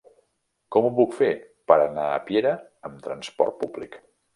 Com ho puc fer per anar a Piera amb trasport públic?